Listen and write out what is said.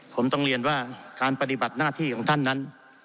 ผมต้องเรียนว่าการปฏิบัติหน้าที่ของท่านนั้น